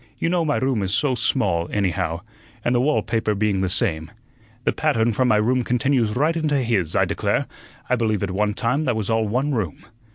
"You know my room is so small, anyhow, and the wall paper being the same the pattern from my room continues right into his I declare, I believe at one time that was all one room.